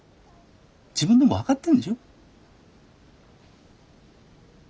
自分でも分かってんでしょ？